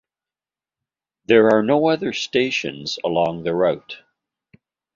There are no other stations along the route.